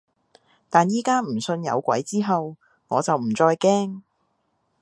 但而家唔信有鬼之後，我就唔再驚